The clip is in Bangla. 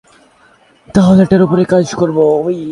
তাহলে এটার উপরেই কাজ করবো।